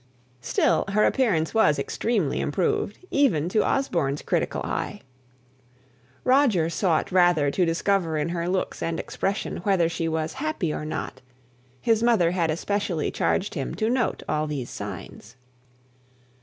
Still her appearance was extremely improved, even to Osborne's critical eye. Roger sought rather to discover in her looks and expression whether she was happy or not; his mother had especially charged him to note all these signs.